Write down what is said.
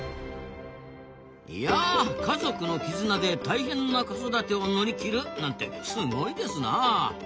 いやあ家族の絆で大変な子育てを乗り切るなんてすごいですなあ。